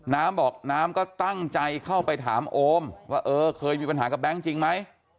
น้ำบอกน้ำก็ตั้งใจเข้าไปถามโอมว่าเออเคยมีปัญหากับแบงค์จริงไหม